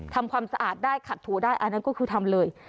ทำความสะอาดได้ขัดถูได้อันนั้นก็คือทำเลย